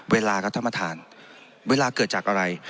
เวลาครับท่านประธานเวลาเกิดจากอะไร